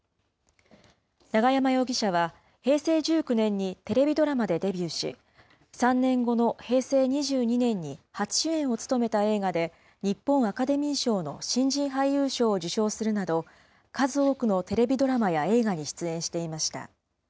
永山容疑者は、平成１９年にテレビドラマでデビューし、３年後の平成２２年に初主演を務めた映画で日本アカデミー賞の新人俳優賞を受賞するなど、数多くのテレビドラマや映画に出演していました。